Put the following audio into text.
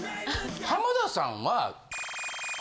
浜田さんは。